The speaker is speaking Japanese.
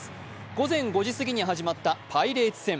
午前５時過ぎに始まったパイレーツ戦。